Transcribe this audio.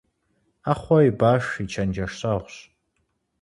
Ӏэхъуэ и баш и чэнджэщэгъущ.